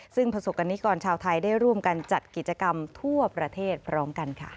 ซึ่งประสบกรณิกรชาวไทยได้ร่วมกันจัดกิจกรรมทั่วประเทศพร้อมกันค่ะ